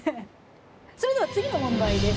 それでは次の問題です。